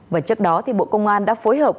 và trước đó bộ công an đã phối hợp